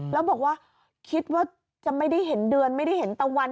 แล้วบอกว่าคิดว่าจะไม่ได้เห็นเดือนไม่ได้เห็นตะวัน